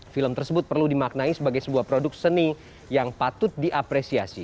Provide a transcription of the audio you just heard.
film tersebut perlu dimaknai sebagai sebuah produk seni yang patut diapresiasi